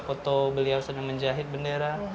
foto beliau sedang menjahit bendera